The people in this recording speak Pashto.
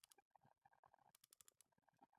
په سریلانکا کې د فیلانو شمېر